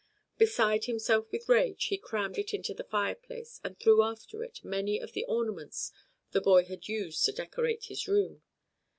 Beside himself with rage he crammed it into the fireplace, and threw after it many of the ornaments the boy had used to decorate his room.